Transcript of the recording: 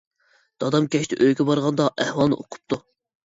دادام كەچتە ئۆيگە بارغاندا ئەھۋالنى ئۇقۇپتۇ.